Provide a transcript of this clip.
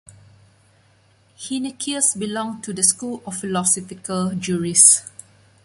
Heineccius belonged to the school of philosophical jurists.